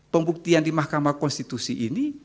pembuktian di mahkamah konstitusi ini